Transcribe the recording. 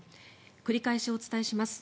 繰り返しお伝えします。